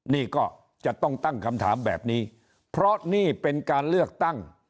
นี่ก็จะต้องตั้งคำถามแบบนี้เพราะนี่เป็นการเลือกตั้ง